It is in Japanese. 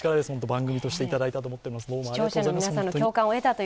番組としていただいたと思っております。